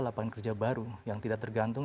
lapangan kerja baru yang tidak tergantung